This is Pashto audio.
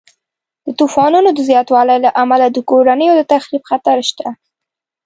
د طوفانونو د زیاتوالي له امله د کورنیو د تخریب خطر شته.